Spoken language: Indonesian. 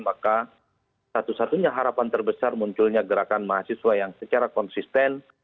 maka satu satunya harapan terbesar munculnya gerakan mahasiswa yang secara konsisten